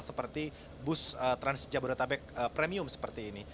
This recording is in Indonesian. seperti bus trans jabodetabek premium seperti ini